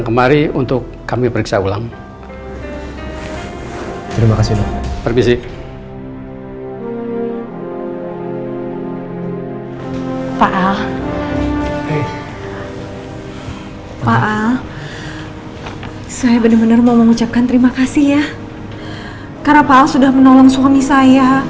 karena pak al sudah menolong suami saya